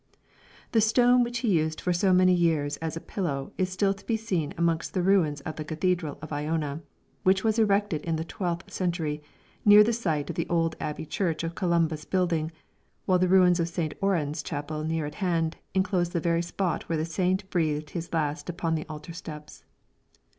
The stone which he used for so many years as a pillow is still to be seen amongst the ruins of the cathedral of Iona, which was erected in the twelfth century near the site of the old abbey church of Columba's building, while the ruins of St. Oran's chapel near at hand enclose the very spot where the Saint breathed his last upon the altar steps.